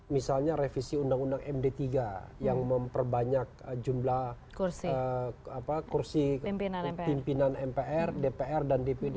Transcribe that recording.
misalnya revisi undang undang md tiga yang memperbanyak jumlah kursi pimpinan mpr dpr dan dpd